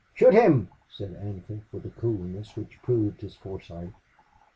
"Shoot him!" said Ancliffe, with a coolness which proved his foresight.